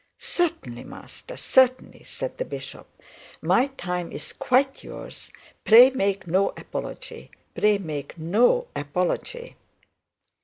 'Certainly, Master, certainly,' said the bishop; 'my time is quite yours pray make no apology, pray make no apology.'